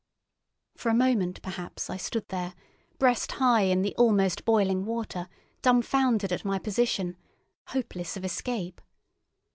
For a moment perhaps I stood there, breast high in the almost boiling water, dumbfounded at my position, hopeless of escape.